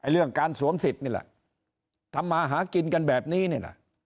เรื่องการสวมสิทธิ์นี่แหละทำมาหากินกันแบบนี้นี่แหละ